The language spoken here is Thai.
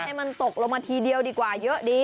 ให้มันตกลงมาทีเดียวดีกว่าเยอะดี